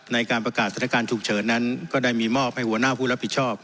ในการประกาศสถานการณ์ฉุกเฉินนั้นก็ได้มีมอบให้หัวหน้าผู้รับผิดชอบ